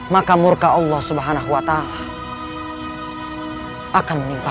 maka murka allah subhanahu wa ta'ala akan menimpa